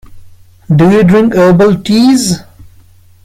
Do you drink herbal teas?